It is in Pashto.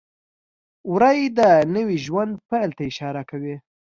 وری د نوي ژوند پیل ته اشاره کوي.